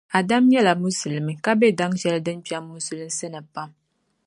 Adam nyɛla Musulimi ka be daŋ shɛli din kpԑm Musulinsi ni pam.